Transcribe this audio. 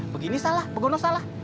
begini salah begono salah